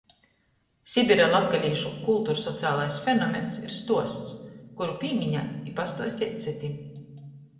Sibira latgalīšu kultursocialais fenomens ir stuosts, kuru pīminēt i pastuosteit cytim.